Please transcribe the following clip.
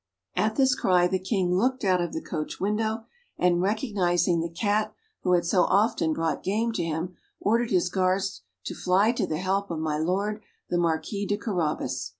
At this cry, the King looked out of the coach window, and recognising the cat who had so often brought game to him, ordered his guards to fly to the help of my Lord the Marquis de Carabas.